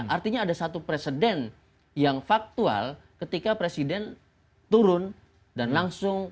artinya ada satu presiden yang faktual ketika presiden turun dan langsung